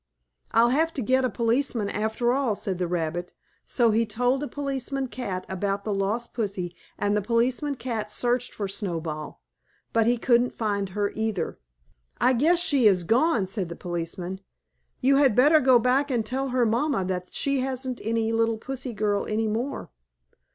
"I'll have to get a policeman after all," said the rabbit, so he told a policeman cat about the lost pussy, and the policeman cat searched for Snowball, but he couldn't find her, either. "I guess she is gone," said the policeman. "You had better go back and tell her mamma that she hasn't any little pussy girl any more."